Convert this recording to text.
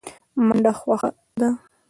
منډه خوښه ده.